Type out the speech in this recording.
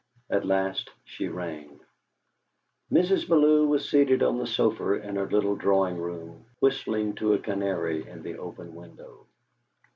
At last she rang. Mrs. Bellew was seated on the sofa in her little drawing room whistling to a canary in the open window.